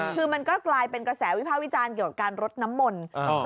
คือมันก็กลายเป็นกระแสวิภาควิจารณ์เกี่ยวกับการรดน้ำมนต์